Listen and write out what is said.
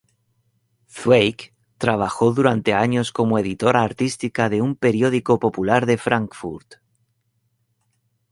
Zweig trabajó durante años como editora artística de un periódico popular de Frankfurt.